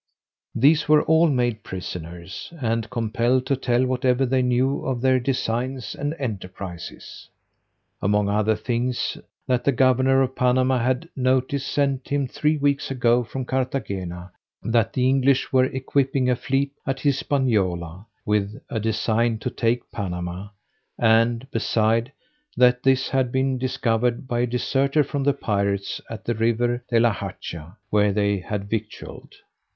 These were all made prisoners, and compelled to tell whatever they knew of their designs and enterprises. Among other things, that the governor of Panama had notice sent him three weeks ago from Carthagena, that the English were equipping a fleet at Hispaniola, with a design to take Panama; and, beside, that this had been discovered by a deserter from the pirates at the river De la Hacha, where they had victualled.